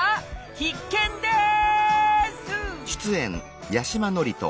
必見です！